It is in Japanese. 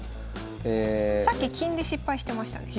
さっき金で失敗してましたね。